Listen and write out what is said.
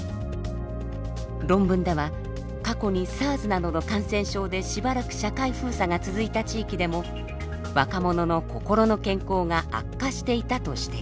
論文では過去にＳＡＲＳなどの感染症でしばらく社会封鎖が続いた地域でも若者の心の健康が悪化していたと指摘。